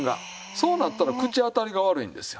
そうなったら口当たりが悪いんですよ。